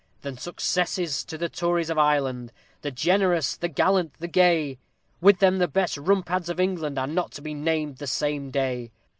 Then success to the Tories of Ireland, the generous, the gallant, the gay! With them the best Rumpads of England are not to be named the same day!